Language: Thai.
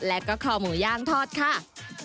และก็คอหมูย่างทอดค่ะ